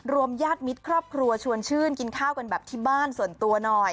ญาติมิตรครอบครัวชวนชื่นกินข้าวกันแบบที่บ้านส่วนตัวหน่อย